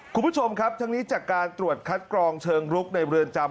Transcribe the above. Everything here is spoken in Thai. คุณผู้ชมครับทั้งนี้จากการตรวจคัดกรองเชิงลุกในเรือนจำ